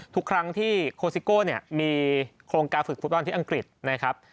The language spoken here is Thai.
ทุกครั้งที่โคซิโก้เนี่ยมีโครงการฝึกฟุตบอลที่อังกฤษนะครับ